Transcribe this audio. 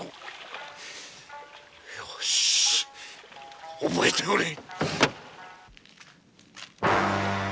ようし覚えておれ！